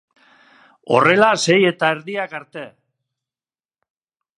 Horrela sei eta erdiak arte.